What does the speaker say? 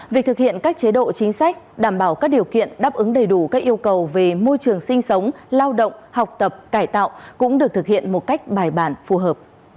việc thực hiện các chế độ chính sách đảm bảo các điều kiện đáp ứng đầy đủ các yêu cầu về môi trường sinh sống lao động học tập cải tạo cũng được thực hiện một cách bài bản phù hợp